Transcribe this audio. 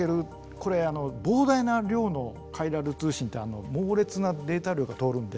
これあの膨大な量のカイラル通信って猛烈なデータ量が通るんで。